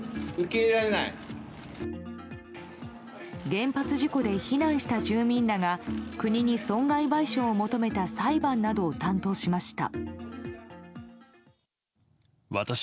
原発事故で避難した住民らが国に損害賠償を求めた裁判などを担当しました。